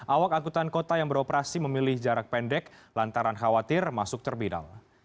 awak angkutan kota yang beroperasi memilih jarak pendek lantaran khawatir masuk terminal